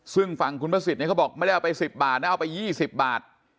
ซึ่งฟังคุณพระสิทธิ์เนี่ยเขาบอกไม่ได้เอาไป๑๐บาทแต่เอาไป๒๐บาท